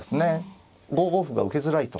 ５五歩が受けづらいと。